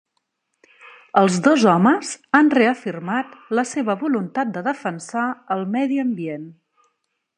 Els dos homes han reafirmat la seva voluntat de defensar el medi ambient.